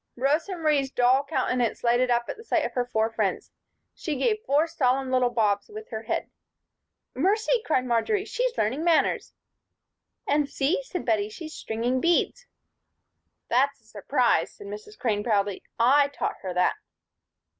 Rosa Marie's dull countenance brightened at sight of her four friends. She gave four solemn little bobs with her head. "Mercy!" cried Marjory, "she's learning manners." "And see," said Bettie, "she's stringing beads." "That's a surprise," said Mrs. Crane, proudly. "I taught her that."